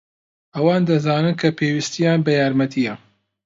ئەوان دەزانن کە پێویستیان بە یارمەتییە.